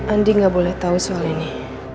andi gak boleh tahu soal ini